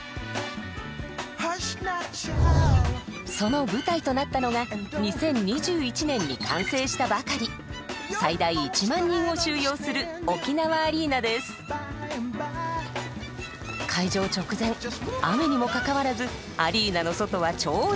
その舞台となったのが２０２１年に完成したばかり最大１万人を収容する開場直前雨にもかかわらずアリーナの外は長蛇の列。